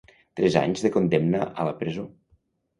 Tres anys de condemna a la presó.